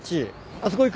あそこ行く？